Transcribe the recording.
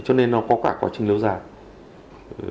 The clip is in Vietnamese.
cho nên nó có cả quá trình lâu dài